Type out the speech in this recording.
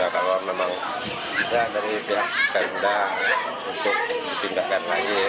kalau memang bisa dari pihak kemendah untuk dipindahkan lagi